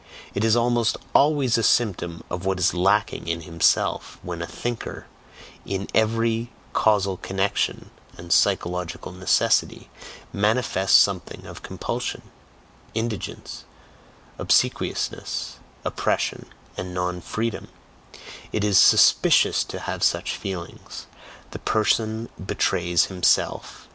It is almost always a symptom of what is lacking in himself, when a thinker, in every "causal connection" and "psychological necessity," manifests something of compulsion, indigence, obsequiousness, oppression, and non freedom; it is suspicious to have such feelings the person betrays himself.